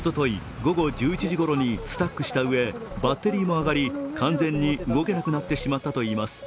午後１１時ごろにスタックしたうえバッテリーも上がり完全に動けなくなってしまったといいます。